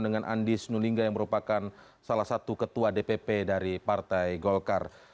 dengan andi sunulingga yang merupakan salah satu ketua dpp dari partai golkar